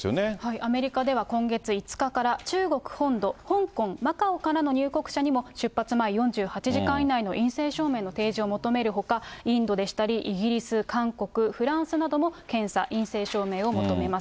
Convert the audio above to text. アメリカでは今月５日から、中国本土、香港、マカオからの入国者にも、出発前４８時間以内の陰性証明の提示を求めるほか、インドでしたりイギリス、韓国、フランスなども検査、陰性証明を求めます。